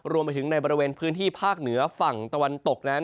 รวมไปถึงในบริเวณพื้นที่ภาคเหนือฝั่งตะวันตกนั้น